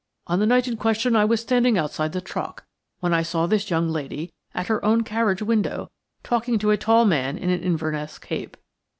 On the night in question I was standing outside the Troc, when I saw this young lady at her own carriage window talking to a tall man in an Inverness cape.